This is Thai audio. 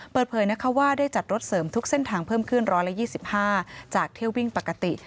เปิดเผยนะคะว่าได้จัดรถเสริมทุกเส้นทางเพิ่มขึ้น๑๒๕จากเที่ยววิ่งปกติ